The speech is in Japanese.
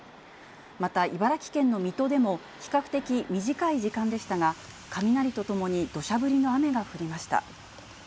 また茨城県の水戸でも、比較的短い時間でしたが、雷とともにどしゃ降りの雨が降りました。